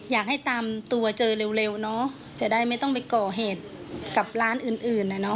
อยากให้ตามตัวเจอเร็วจะได้ไม่ต้องไปก่อเหตุกับร้านอื่น